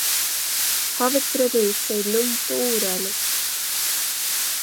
Havet bredde ut sig lugnt och orörligt.